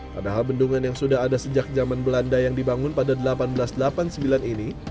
padahal bendungan yang sudah ada sejak zaman belanda yang dibangun pada seribu delapan ratus delapan puluh sembilan ini